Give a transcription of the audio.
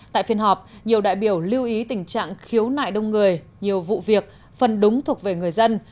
tại phiên họp nhiều đại biểu lưu ý tình trạng khiếu nại đông người nhiều vụ việc phần đúng thuộc về người dân